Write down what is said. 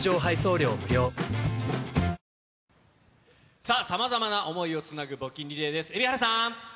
さあ、さまざまな想いをつなぐ募金リレーです。